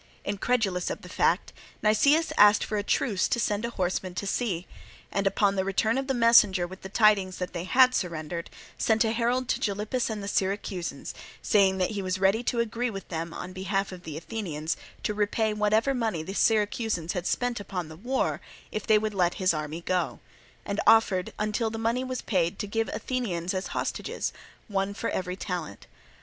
Incredulous of the fact, Nicias asked for a truce to send a horseman to see, and upon the return of the messenger with the tidings that they had surrendered, sent a herald to Gylippus and the Syracusans, saying that he was ready to agree with them on behalf of the Athenians to repay whatever money the Syracusans had spent upon the war if they would let his army go; and offered until the money was paid to give Athenians as hostages, one for every talent.